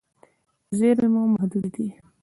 زیرمې مو محدودې دي.